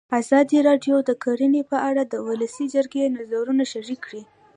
ازادي راډیو د کرهنه په اړه د ولسي جرګې نظرونه شریک کړي.